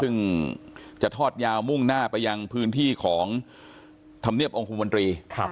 ซึ่งจะทอดยาวมุ่งหน้าไปยังพื้นที่ของธรรมเนียบองคมนตรี